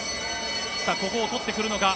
さあ、ここを取ってくるのか。